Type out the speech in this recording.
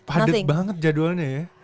padet banget jadwalnya ya